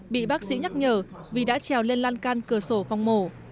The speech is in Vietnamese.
bị bác sĩ nhắc nhở vì đã trèo lên lan can cửa sổ phòng mổ